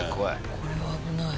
これは危ない。